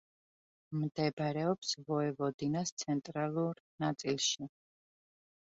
მდებარეობს ვოევოდინას ცენტრალურ ნაწილში.